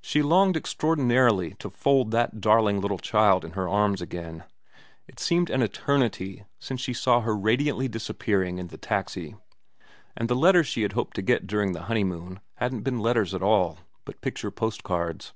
She longed extraordinarily to fold that darling little child in her arms again. It seemed an eternity since she saw her radiantly disappearing in the taxi ; and the letters she had hoped to get during the honey moon hadn't been letters at all, but picture postcards.